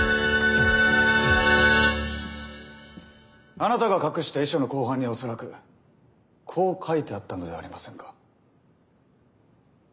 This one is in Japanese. あなたが隠した遺書の後半には恐らくこう書いてあったのではありませんか？